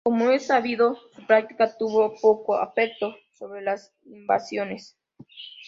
Como es sabido, su práctica tuvo poco efecto sobre las invasiones.